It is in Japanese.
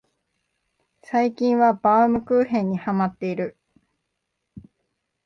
最近はバウムクーヘンにハマってる